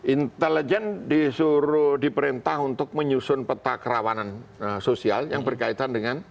intelijen disuruh diperintah untuk menyusun peta kerawanan sosial yang berkaitan dengan